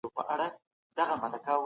انسان خپل شخصيت څنګه لاسته راوړي.